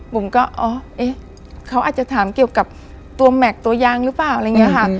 บุ๋มก็เขาอาจจะถามเกี่ยวกับตัวแม็กซ์ตัวยางหรือเปล่า